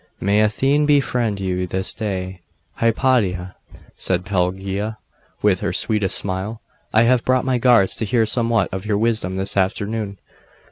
'May Athene befriend you this day, Hypatia!' said Pelagia with her sweetest smile. 'I have brought my guards to hear somewhat of your wisdom this afternoon.